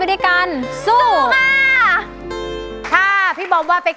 เกิดเสียแฟนไปช่วยไม่ได้นะ